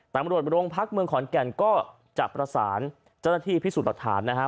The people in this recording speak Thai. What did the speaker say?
ตำรวจโรงพักเมืองขอนแก่นก็จะประสานเจ้าหน้าที่พิสูจน์หลักฐานนะฮะ